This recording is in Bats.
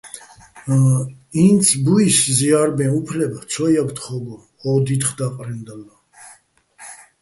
ინცბუჲსო̆ ზია́რებეჼ უფლებ ცო ჲაგე̆ თხო́გო ო დითხ და́ყრენდალლა.